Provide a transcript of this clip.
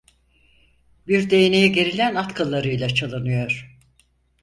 Bir değneğe gerilen at kıllarıyla çalınıyor!